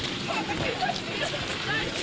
นี่คือจุดเดียวกันเลย